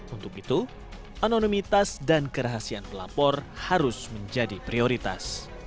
untuk itu anonimitas dan kerahasiaan pelapor harus menjadi prioritas